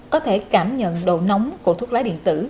có thể cảm nhận độ nóng của thuốc lá điện tử